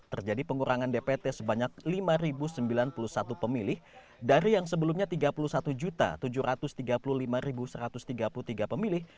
terjadi pengurangan dpt sebanyak lima sembilan puluh satu pemilih dari yang sebelumnya tiga puluh satu tujuh ratus tiga puluh lima satu ratus tiga puluh tiga pemilih